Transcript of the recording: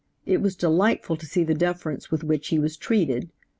It was delightful to see the deference with which he was treated.